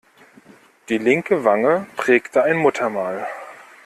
Die linke Wange prägte ein Muttermal.